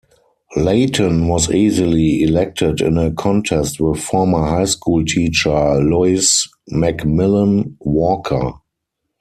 Layton was easily elected in a contest with former high school teacher Lois MacMillan-Walker.